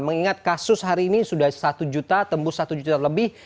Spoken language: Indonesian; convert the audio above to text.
mengingat kasus hari ini sudah satu juta tembus satu juta lebih